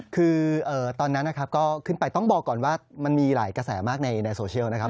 คือตอนนั้นนะครับก็ขึ้นไปต้องบอกก่อนว่ามันมีหลายกระแสมากในโซเชียลนะครับ